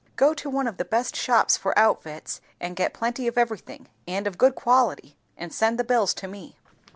Go to one of the best shops for outfits and get plenty of every thing and of good quality, and send the bills to me.